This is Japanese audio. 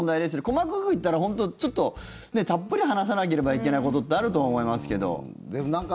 細かく言ったら、たっぷり話さなければいけないことってあるとは思いますけど。